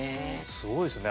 すごいですね。